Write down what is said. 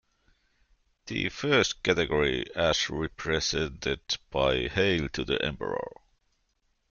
The first category, as represented by Hail to the Emperor!